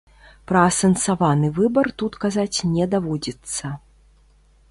Пра асэнсаваны выбар тут казаць не даводзіцца.